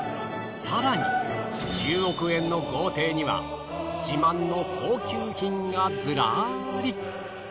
更に１０億円の豪邸には自慢の高級品がずらり。